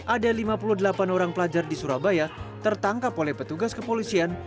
ada lima puluh delapan orang pelajar di surabaya tertangkap oleh petugas kepolisian